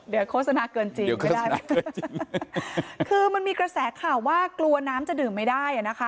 เดี๋ยวโฆษณาเกินจริงไม่ได้คือมันมีกระแสข่าวว่ากลัวน้ำจะดื่มไม่ได้อ่ะนะคะ